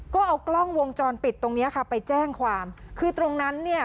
ก็เอากล้องวงจรปิดตรงเนี้ยค่ะไปแจ้งความคือตรงนั้นเนี่ย